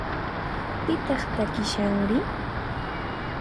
Pitaq takishanri?